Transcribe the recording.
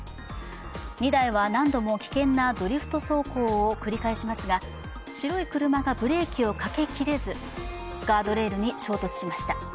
２台は何度も危険なドリフト走行を繰り返しますが、白い車がブレーキをかけきれずガードレールに衝突しました。